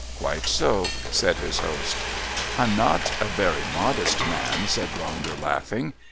"Quite so," said his host. "I'm not a very modest man," said Ronder, laughing.